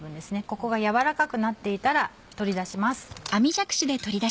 ここが軟らかくなっていたら取り出します。